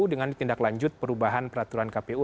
dengan tindak lanjut perubahan peraturan kpu